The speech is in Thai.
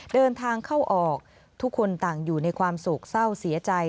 เดินทางเข้าออกทุกคนต่างอยู่ในความโศกเศร้าเสียใจ